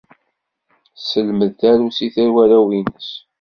Tesselmed tarusit i warraw-ines.